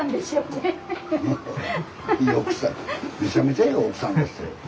めちゃめちゃええ奥さんですよ。